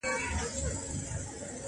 یو له تمي ویړه خوله وي درته خاندي -